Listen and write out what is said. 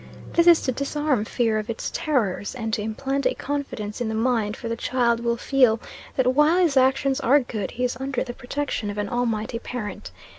This is to disarm fear of its terrors, and to implant a confidence in the mind, for the child will feel that while his actions are good he is under the protection of an Almighty Parent.